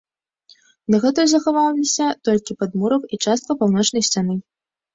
Дагэтуль захаваліся толькі падмурак і частка паўночнай сцяны.